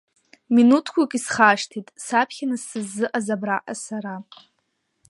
Минуҭқәак исхашҭит, сааԥхьаны сыззыҟаз абраҟа Сара…